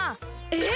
えっ！？